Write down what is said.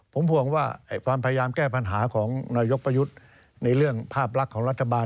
ผมห่วงว่าความพยายามแก้ปัญหาของนายกประยุทธ์ในเรื่องภาพลักษณ์ของรัฐบาล